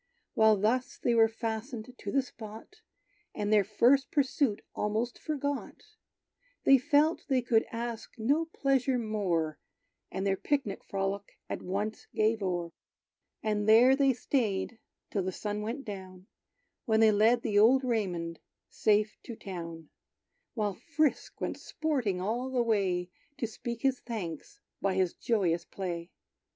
While thus they were fastened to the spot, And their first pursuit almost forgot, They felt they could ask no pleasure more, And their picnic frolic at once gave o'er. And there they staid till the sun went down, When they led the old Raymond safe to town; While Frisk went sporting all the way, To speak his thanks by his joyous play.